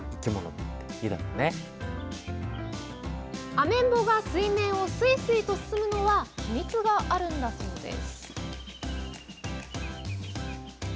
アメンボが水面をスイスイと進むのには秘密があるんだそうです。